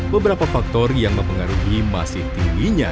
beberapa faktor yang mempengaruhi masih tingginya